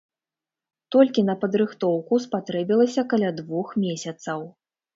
Толькі на падрыхтоўку спатрэбілася каля двух месяцаў.